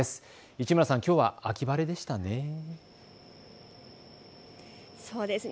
市村さん、きょうは秋晴れでしたね。